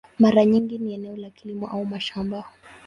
Mara nyingi ni eneo la kilimo au mashamba.